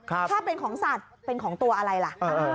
ถ้าเป็นของสัตว์เป็นของตัวอะไรล่ะ